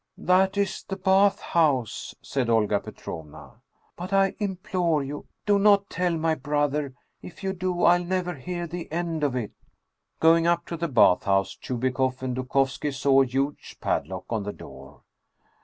" That is the bath house," said Olga Petrovna. " But I implore you, do not tell my brother ! If you do, I'll never hear the end of it !" Going up to the bath house, Chubikoff and Dukovski saw a huge padlock on the door.